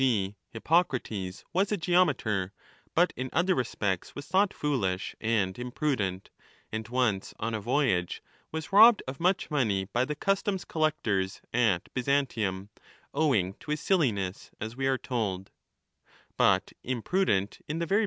g. Hippocrates was a geometer, but in other respects was thought foolish and imprudent, and once on a voyage was robbed of much money by the customs collectors at Byzantium, owing to his silliness, as we are told — but imprudent in the very 20 * ayaBoi, tKuvat i' aXXou t^as (Jackson).